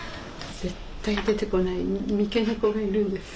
絶対出てこない三毛猫がいるんです。